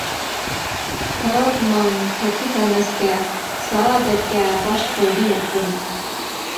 قارا تۇمان كەتتى كەلمەسكە، سائادەتكە باش قويدى يۇرتۇم.